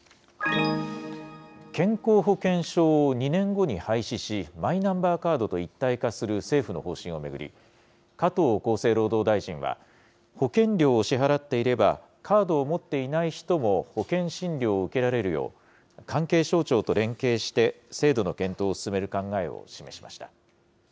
健康保険証を２年後に廃止し、マイナンバーカードと一体化する政府の方針を巡り、加藤厚生労働大臣は、保険料を支払っていれば、カードを持っていない人も保険診療を受けられるよう、関係省庁と連携して制度の検討を進める考えを示しました。